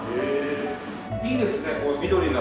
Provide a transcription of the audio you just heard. いいですね緑が。